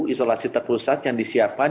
isolasi terpusat yang disiapkan